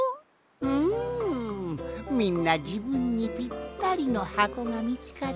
うんみんなじぶんにぴったりのはこがみつかってよかったのう。